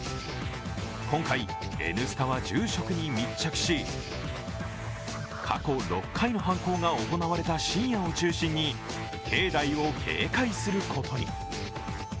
今回「Ｎスタ」は住職に密着し、過去６回の犯行が行われた深夜を中心に境内を警戒することに。